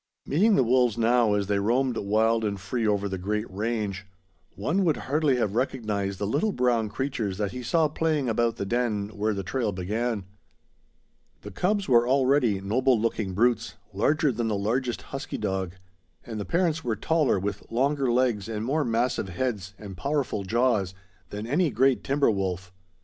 Meeting the wolves now, as they roamed wild and free over the great range, one would hardly have recognized the little brown creatures that he saw playing about the den where the trail began. The cubs were already noble looking brutes, larger than the largest husky dog; and the parents were taller, with longer legs and more massive heads and powerful jaws, than any great timber wolf.